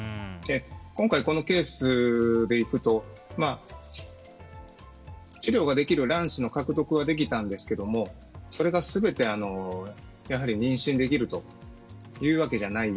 今回、このケースだと治療ができる卵子の獲得はできたんですけどもそれが全て妊娠できるというわけじゃない。